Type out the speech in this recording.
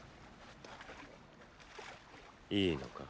いいのか？